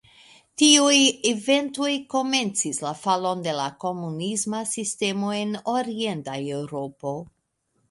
Tiuj eventoj komencis la falon de la komunisma sistemo en Orienta Eŭropo.